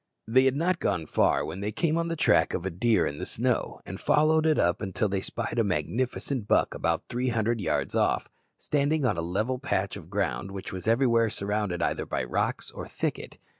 They had not gone far when they came on the track of a deer in the snow, and followed it up till they spied a magnificent buck about three hundred yards off, standing in a level patch of ground which was everywhere surrounded either by rocks or thicket.